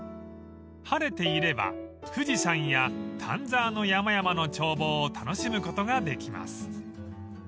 ［晴れていれば富士山や丹沢の山々の眺望を楽しむことができます］